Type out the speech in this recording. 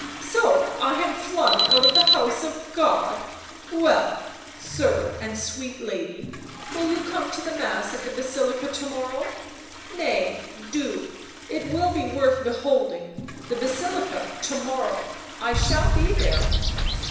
" So I am flung out of the house of God — well, sir and sweet lady, will you come to the Mass at the Basilica to morrow ?— nay, do, it will be worth beholding — the Basilica to morrow ! I shall be there.